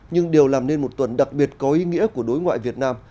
nhưng điều làm nên một tuần đặc biệt có ý nghĩa của đối ngoại việt nam